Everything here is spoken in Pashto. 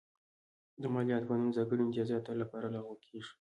د مالیاتو په نوم ځانګړي امتیازات تل لپاره لغوه کېږي.